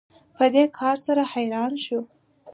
په دې کار سره حیرانه شو